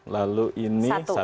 lalu ini satu